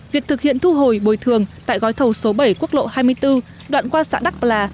việc thực hiện thu hồi bồi thường tại gói thầu số bảy quốc lộ hai mươi bốn đoạn qua xã đắc là